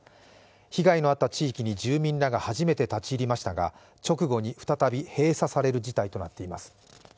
被害のあった地域に住民らが初めて立ち入りましたが直後に再び閉鎖される事態となっています。